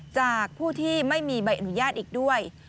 จากผู้ที่ไม่มีใบอนุญาตอีกด้วย